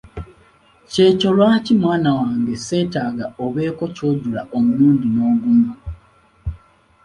ky’ekyo lwaki mwana wange seetaaga obeeko ky'ojula omulundi n’ogumu.